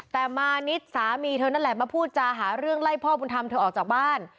แต่มานิดสามีเธอนั่นแหละมาพูดจาหาเรื่องไล่พ่อบุญธรรมเธอออกจากบ้าน